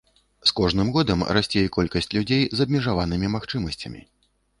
З кожным годам расце і колькасць людзей з абмежаванымі магчымасцямі.